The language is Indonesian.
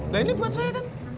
nah ini buat saya